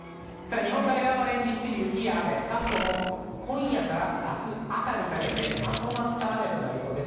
日本海側は連日、雪や雨、関東も今夜から明日の朝にかけてまとまった雨となりそうです。